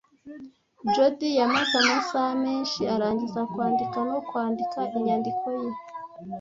Judy yamaze amasaha menshi arangiza kwandika no kwandika inyandiko ye.